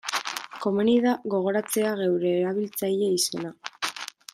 Komeni da gogoratzea geure erabiltzaile izena.